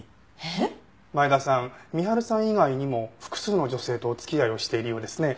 深春さん以外にも複数の女性とお付き合いをしているようですね。